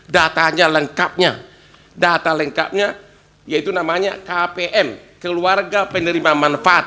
datanya lengkapnya data lengkapnya yaitu namanya kpm keluarga penerima manfaat